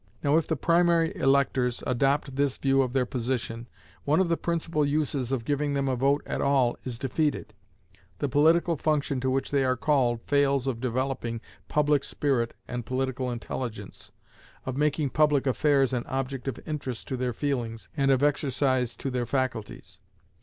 Now if the primary electors adopt this view of their position, one of the principal uses of giving them a vote at all is defeated; the political function to which they are called fails of developing public spirit and political intelligence, of making public affairs an object of interest to their feelings and of exercise to their faculties.